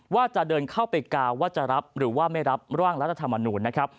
ว่าจะเดินเข้าไปกาวว่าจะรับหรือว่าไม่รับร่างรัฐธรรมนูญนะครับ